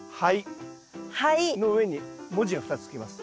灰の上に文字が２つつきます。